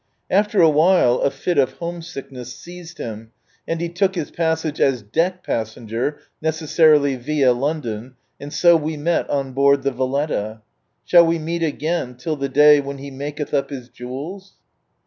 After a white a fit of home sickness seized him, and he look his passage as deck passenger (necessarily vid London), and so we met on board the Valetta. Shall we meet again till the day " when He makelh up His jewels